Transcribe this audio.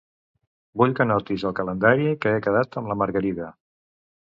Vull que anotis al calendari que he quedat amb la Margarida.